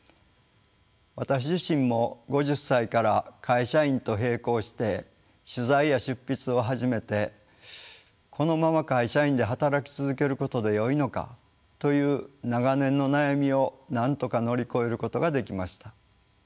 私自身も５０歳から会社員と並行して取材や執筆を始めてこのまま会社員で働き続けることでよいのかという長年の悩みをなんとか乗り越えることができました。